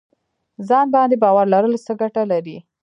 ځان باندې باور لرل څه ګټه لري؟